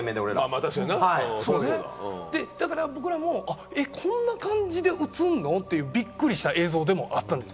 だから僕らもこんな感じで映るの？ってびっくりした映像でもあったんです。